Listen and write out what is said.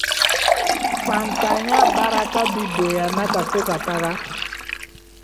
• Fantanya baraka bi bonyana ka to ka taga ;